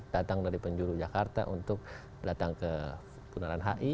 datang dari penjuru jakarta untuk datang ke bundaran hi